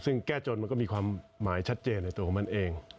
ซึ่งแก้จนมันก็มีความหมายชัดเจนในตัวของมันเอง